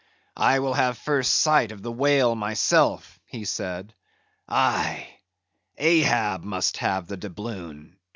"I will have the first sight of the whale myself,"—he said. "Aye! Ahab must have the doubloon!"